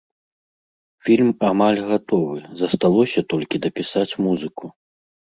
Фільм амаль гатовы, засталося толькі дапісаць музыку.